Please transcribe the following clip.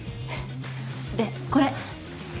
でこれ。